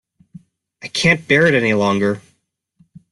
I can’t bear it any longer